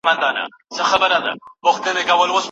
موږ په کمپيوټر کي حسابونه کوو.